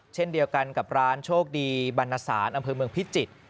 เช่นเดียวกันกับร้านโชคดีบรรณสารอำเภอเมืองพิจิตร